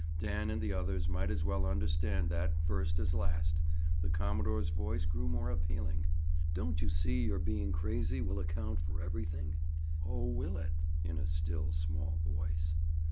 Dan and the others might as well understand that, first as last. The commodore's voice grew more appealing. "Don't you see you're being crazy will account for everything?" "Oh, will it?" In a still small voice.